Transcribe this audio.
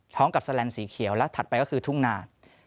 ท้องกับสแลนด์สีเขียวและถัดไปก็คือทุ่งหน้า